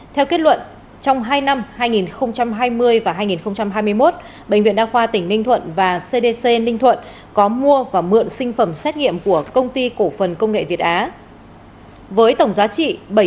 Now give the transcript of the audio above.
theo kết luận trong hai năm hai nghìn hai mươi và hai nghìn hai mươi một bệnh viện đa khoa tỉnh ninh thuận và cdc ninh thuận có mua và mượn sinh phẩm xét nghiệm của công ty cổ phần công nghệ việt á với tổng giá trị bảy mươi bốn bốn tỷ đồng